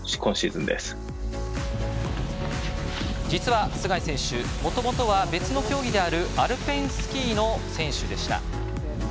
実は、須貝選手もともとは別の競技であるアルペンスキーの選手でした。